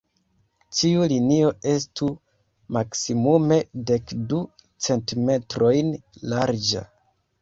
Ĉiu linio estu maksimume dek du centimetrojn larĝa.